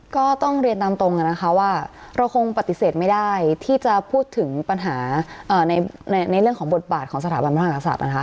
ก็ต้องเรียนตามตรงนะคะว่าเราคงปฏิเสธไม่ได้ที่จะพูดถึงปัญหาในเรื่องของบทบาทของสถาบันพระมหากษัตริย์นะคะ